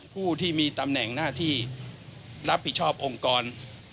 ผู้ที่มีตำแหน่งหน้าที่รับผิดชอบองค์กร